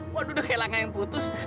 waduh kehilangan yang putus